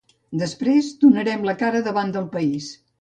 Després donarem la cara davant del país.